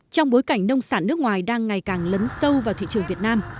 trong bối cảnh nông sản nước ngoài đang ngày càng lấn sâu vào thị trường việt nam